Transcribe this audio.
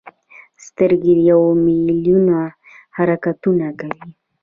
سترګې یو ملیون حرکتونه کوي.